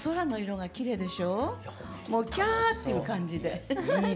もうキャーっていう感じで。